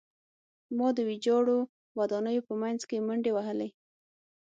ما د ویجاړو ودانیو په منځ کې منډې وهلې